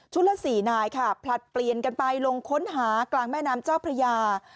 ละ๔นายค่ะผลัดเปลี่ยนกันไปลงค้นหากลางแม่น้ำเจ้าพระยา